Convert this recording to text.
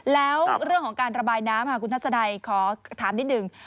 แล้วเรื่องของการระบายน้ำคุณทัศนัยขอถามนิดนึง